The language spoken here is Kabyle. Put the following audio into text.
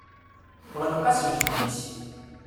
Ɣleq-as jeddi-s.